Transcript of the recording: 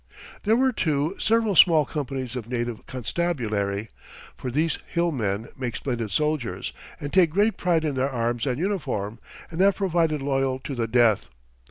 There were, too, several small companies of native constabulary, for these hill men make splendid soldiers and take great pride in their arms and uniform, and have proved loyal to the death.